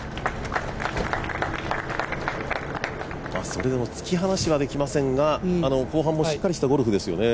それでも突き放しはできませんが、後半もしっかりとしたゴルフですよね。